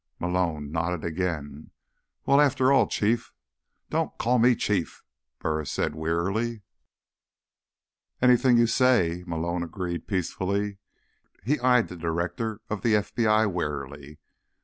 Malone nodded again. "Well, after all, Chief—" "Don't call me Chief," Burris said wearily. "Anything you say," Malone agreed peacefully. He eyed the Director of the FBI warily.